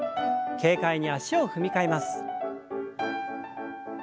軽快に脚を踏み替えます。